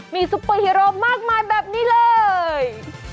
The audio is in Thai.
มีซุปเปอร์ฮีโรมากมายแบบนี้เลย